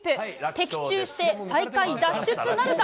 的中して最下位脱出なるか？